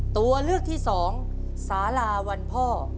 ตัวเลือกที่สองสาราวันพ่อ